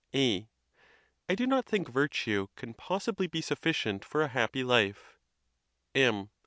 A. I do not think virtue can possibly be sufficient for a happy life. M.